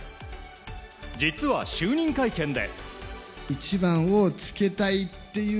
実は、就任会見で。